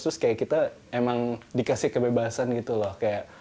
terus kayak kita emang dikasih kebebasan gitu loh kayak